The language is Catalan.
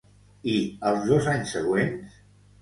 I els dos anys següents?